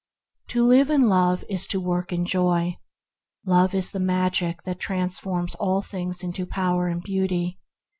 To live in Love is to work in Joy. Love is the magic that transforms all things into power and beauty.